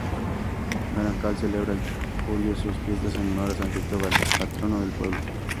Naranjal celebra en julio sus fiestas en honor a San Cristóbal, patrono del pueblo.